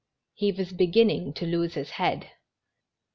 He was beginning to lose his head.